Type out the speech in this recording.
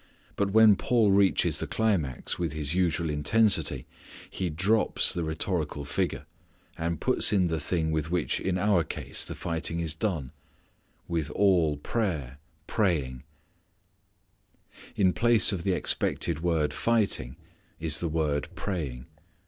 But when Paul reaches the climax with his usual intensity he drops the rhetorical figure, and puts in the thing with which in our case the fighting is done "with all prayer praying." In place of the expected word fighting is the word praying.